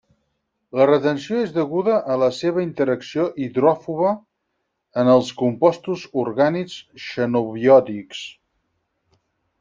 La retenció és deguda a la seva interacció hidròfoba en els compostos orgànics xenobiòtics.